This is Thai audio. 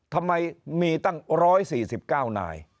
ทำไมมีตั้ง๑๔๙นาย